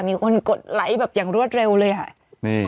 มีคนกดไลค์แบบอย่างรวดเร็วเลยค่ะ